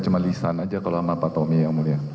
cuma lisan aja kalau sama pak tommy yang mulia